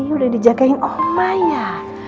udah dijagain oma ya